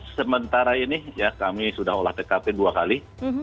sementara ini ya kami sudah olah tkp dua kali